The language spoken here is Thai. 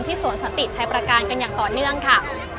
สวนสันติชัยประการกันอย่างต่อเนื่องค่ะ